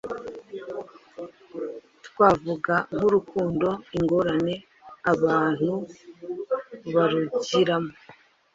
Twavuga nk’urukundo, ingorane abantu barugiramo,